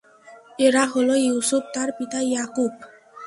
এরা হল ইউসুফ, তার পিতা ইয়াকূব।